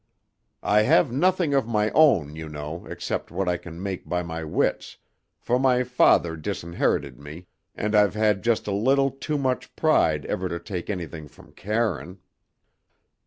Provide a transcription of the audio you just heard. "I have nothing of my own, you know, except what I can make by my wits, for my father disinherited me, and I've had just a little too much pride ever to take anything from Karine.